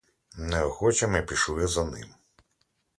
Неохоче ми пішли за ним.